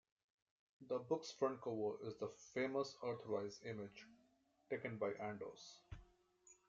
The book's front cover is the famous "Earthrise" image taken by Anders.